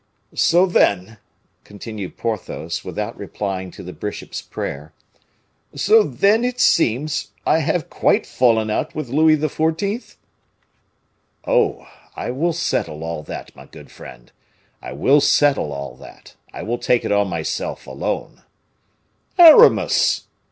"So, then," continued Porthos, without replying to the bishop's prayer, "so then, it seems, I have quite fallen out with Louis XIV.?" "Oh! I will settle all that, my good friend, I will settle all that. I will take it on myself alone!" "Aramis!"